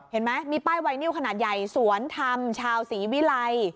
เห็นไหมมีป้ายไวนิวขนาดใหญ่สวนธรรมชาวศรีวิรัย